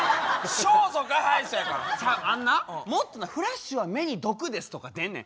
あんなもっとな「フラッシュは目に毒です」とか出んねん。